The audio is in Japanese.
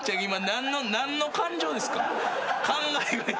何の感情ですか？